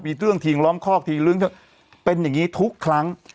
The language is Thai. มีเรื่องทีล้อมคอกทีเรื่องทีล้อมคอกเป็นอย่างงี้ทุกครั้ง